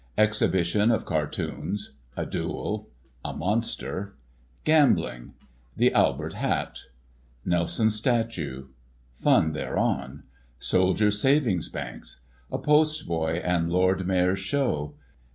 Exhibition of cartoons — ^A duel — ^A monster — Gambling — ^The "Albert Hat "— Nelson's statue — Fun thereon — Soldiers' savings banks r A post boy and Lord Mayor's show — M.